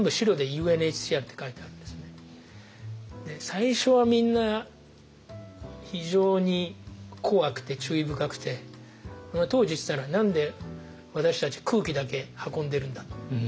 最初はみんな非常に怖くて注意深くて当時言ってたのは何で私たち空気だけ運んでるんだと。